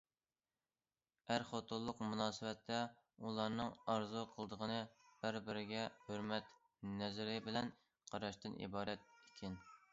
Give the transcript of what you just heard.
ئەر- خوتۇنلۇق مۇناسىۋەتتە ئۇلارنىڭ ئارزۇ قىلىدىغىنى بىر- بىرىگە ھۆرمەت نەزىرى بىلەن قاراشتىن ئىبارەت ئىكەن.